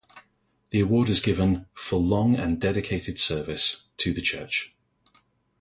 The award is given "for long and dedicated service" to the Church.